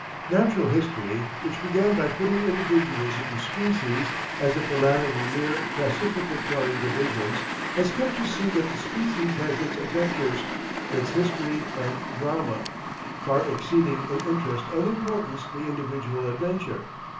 Natural History, which began by putting individuals into species as if the latter were mere classificatory divisions, has come to see that the species has its adventures, its history and drama, far exceeding in interest and importance the individual adventure.